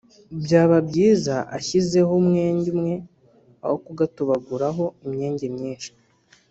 byaba byiza ashyizeho umwenge umwe aho kugatobaguraho imyenge myinshi